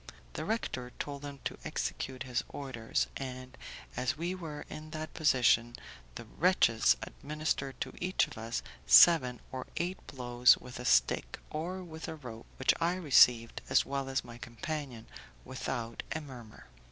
The rector told them to execute his orders, and, as we were in that position, the wretches administered to each of us seven or eight blows with a stick, or with a rope, which I received, as well as my companion, without a murmur.